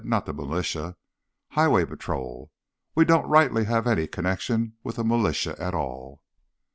"Not the militia. Highway Patrol. We don't rightly have any connection with the militia at all."